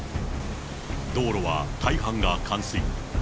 道路は大半が冠水。